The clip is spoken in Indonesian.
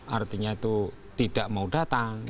artinya itu tidak mau datang